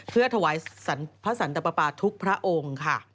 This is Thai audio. เพื่อถวายพระสันตปาทุกพระองค์ค่ะ